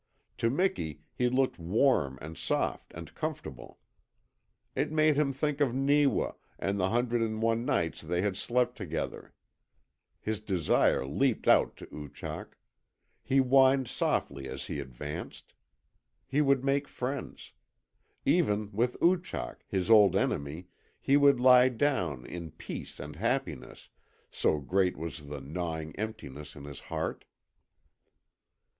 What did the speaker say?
To Miki he looked warm and soft and comfortable. It made him think of Neewa, and the hundred and one nights they had slept together. His desire leapt out to Oochak. He whined softly as he advanced. He would make friends. Even with Oochak, his old enemy, he would lie down in peace and happiness, so great was the gnawing emptiness in his heart.